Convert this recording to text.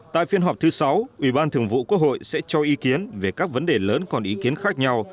tại phiên họp thứ sáu ủy ban thường vụ quốc hội sẽ cho ý kiến về các vấn đề lớn còn ý kiến khác nhau